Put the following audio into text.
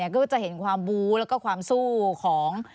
ก็จะเห็นความบู้แล้วก็ความสู้ของ